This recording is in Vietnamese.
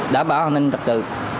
đảm bảo hành hình trật tự